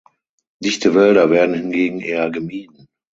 Dichte Wälder werden hingegen eher gemieden.